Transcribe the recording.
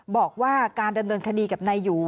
บอกว่าการดำเนินคดีกับนายหยู